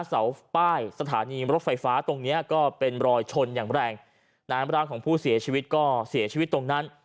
เสาป้ายสถานีรถไฟฟ้าตรงเนี้ยก็เป็นรอยชนอย่างแรงน้ำร่างของผู้เสียชีวิตก็เสียชีวิตตรงนั้น